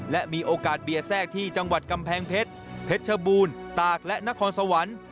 และมีโอกาสเบียดแทรกที่จังหวัดกำแพงเพชรเพชรชบูรณ์ตากและนครสวรรค์